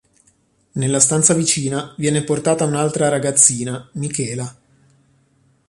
Nella stanza vicina viene portata un'altra ragazzina, Michela.